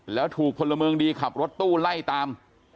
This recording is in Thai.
แล้วถูกพลเมืองดีขับรถตู้ไล่ตาม